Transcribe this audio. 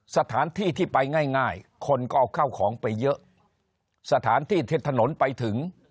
สถานที่ที่ไปง่ายง่ายคนก็เอาข้าวของไปเยอะสถานที่ที่ถนนไปถึง